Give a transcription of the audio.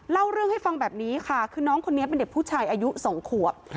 เล่าเรื่องให้ฟังแบบนี้ค่ะคือน้องคนนี้เป็นเด็กผู้ชายอายุสองขวบ